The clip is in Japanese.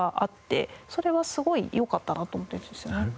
それはすごいよかったなと思ってるんですよね。